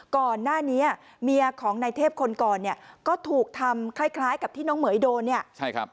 ก่อนหน้านี้เมียของนายเทพคนก่อนเนี่ยก็ถูกทำคล้ายคล้ายกับที่น้องเหม๋ยโดนเนี่ยใช่ครับ